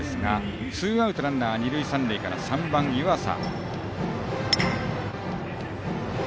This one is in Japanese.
ツーアウトランナー、二塁三塁から３番の湯浅。